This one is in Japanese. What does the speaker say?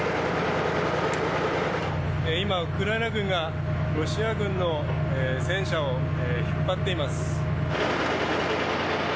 今、ウクライナ軍がロシア軍の戦車を引っ張っています。